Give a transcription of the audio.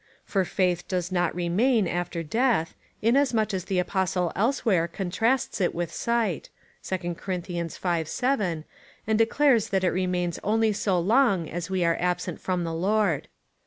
For faith does not remain after death, inasmuch as the Apostle elsewhere contrasts it with sight, (2 Cor. v. 7,) and declares that it remains only so long as we are absent from the Lord.